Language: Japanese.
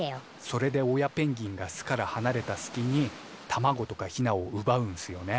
それで親ペンギンが巣からはなれたすきに卵とかヒナをうばうんすよね。